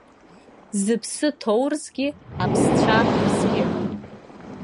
Зыԥсы ҭоу рзгьы, аԥсцәа рзгьы?